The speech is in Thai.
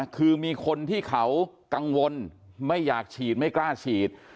คือมีคนที่เขากังวลไม่อยากฉีดไม่กล้าฉีด